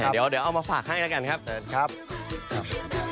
เดี๋ยวเอามาฝากให้กันครับครับใจนะครับครับ